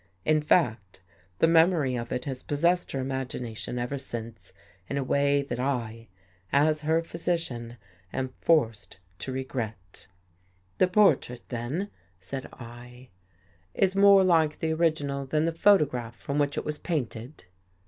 In fact, the memory of it has possessed her imagination ever since, in a way that I, as her physician, am forced to regret." " The portrait then," said I, " is more like the 5 57 THE GHOST GIRL original than the photograph from which it was painted?